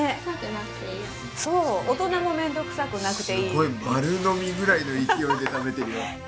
すごい！丸のみぐらいの勢いで食べてるよ。